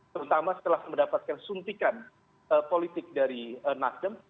terutama setelah mendapatkan suntikan politik dari nasdem